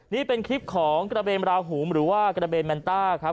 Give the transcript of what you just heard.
นี่เป็นคลิปของกระเบนราหูมหรือว่ากระเบนแมนต้าครับ